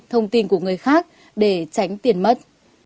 thông tin của người khác để tránh tiền mất